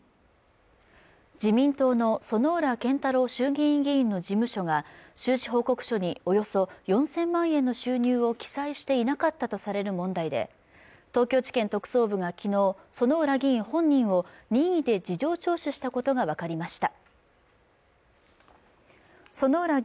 自民党の薗浦健太郎衆議院議員の事務所が収支報告書におよそ４０００万円の収入を記載していなかったとされる問題で東京地検特捜部がきのう薗浦議員本人を任意で事情聴取したことが分かりました